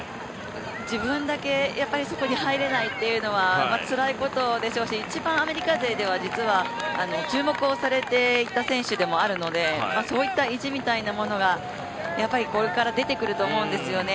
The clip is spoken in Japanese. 自分だけやっぱりそこに入れないっていうのはつらいことでしょうし一番アメリカ勢では実は注目をされていた選手でもあるのでそういった意地みたいなものがこれから出てくると思うんですよね。